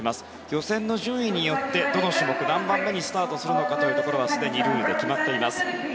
予選の順によってどの種目何番目にスタートするのかというところがすでにルールで決まっています。